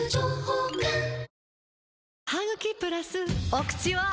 お口は！